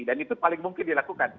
dan itu paling mungkin dilakukan